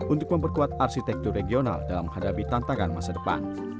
untuk memperkuat arsitektur regional dalam menghadapi tantangan masa depan